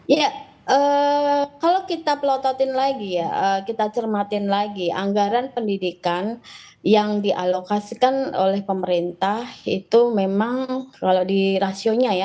ya kalau kita pelototin lagi ya kita cermatin lagi anggaran pendidikan yang dialokasikan oleh pemerintah itu memang kalau di rasionya ya